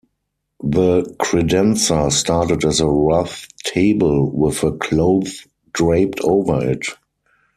The credenza started as a rough table with a cloth draped over it.